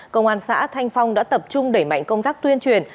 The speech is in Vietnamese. công an xã thanh phong đã tập trung đẩy mạnh công tác tuyên truyền